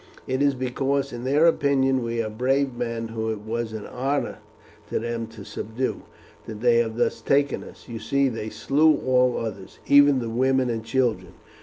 It is because, in their opinion, we are brave men, whom it was an honour to them to subdue, that they have thus taken us. You see they slew all others, even the women and children.